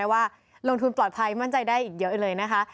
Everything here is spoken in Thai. ว่าลงทุนปลอดภัยมั่นใจได้อีกเยอะเลยนะคะ